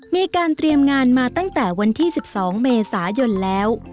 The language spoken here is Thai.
มีการเตรียมงานมาตั้งแต่วันที่๑๒เมษายนแล้ว